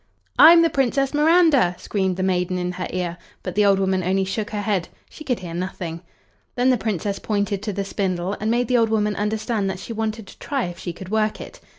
"I'm the Princess Miranda," screamed the maiden in her ear, but the old woman only shook her head she could hear nothing. Then the Princess pointed to the spindle, and made the old woman understand that she wanted to try if she could work it.